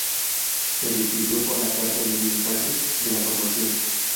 Se despidió por carta de los militantes de la formación.